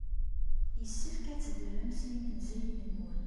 Yessefk ad teddrem s yimenzayen-nwen.